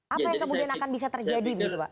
apa yang kemudian akan bisa terjadi